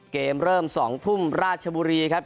เกมเริ่ม๒ทุ่มราชบุรีครับ